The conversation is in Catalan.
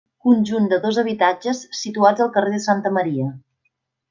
Conjunt de dos habitatges situats al carrer de Santa Maria.